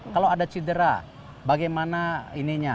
kalau ada cedera bagaimana ini nya